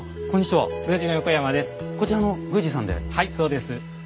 はいそうです。